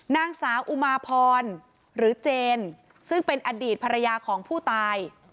นางสาวอุมาพรหรือเจนซึ่งเป็นอดีตภรรยาของผู้ตาย